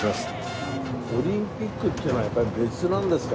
オリンピックっていうのはやっぱり別なんですか？